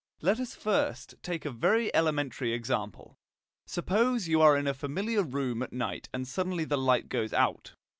Let us take first a very elementary example. Suppose you are in a familiar room at night, and suddenly the light goes out.